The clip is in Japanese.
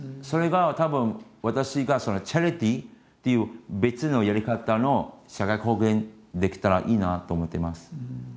それがたぶん私がチャリティーっていう別のやり方の社会貢献できたらいいなと思っています。